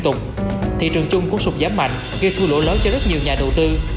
thị trường chung cũng sụp giảm mạnh gây thua lỗ lối cho rất nhiều nhà đầu tư